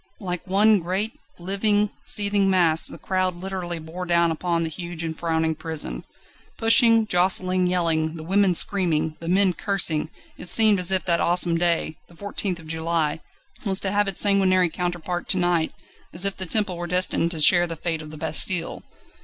Like one great, living, seething mass the crowd literally bore down upon the huge and frowning prison. Pushing, jostling, yelling, the women screaming, the men cursing, it seemed as if that awesome day the 14th of July was to have its sanguinary counterpart to night, as if the Temple were destined to share the fate of the Bastille.